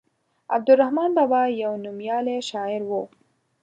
عبدالرحمان بابا يو نوميالی شاعر وو.